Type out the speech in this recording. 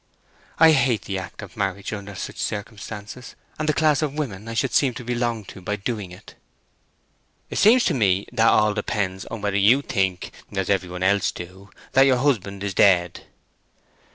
I hate the act of marriage under such circumstances, and the class of women I should seem to belong to by doing it!" "It seems to me that all depends upon whe'r you think, as everybody else do, that your husband is dead."